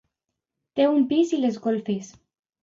Té un pis i les golfes.